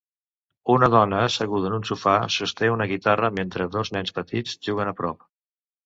Una dona asseguda en un sofà sosté una guitarra mentre dos nens petits juguen a prop.